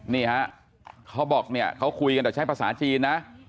นี่ฮะเขาบอกเนี่ยเขาคุยกันแต่ใช้ภาษาจีนนะ